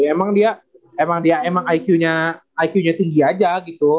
emang dia emang dia emang iq nya tinggi aja gitu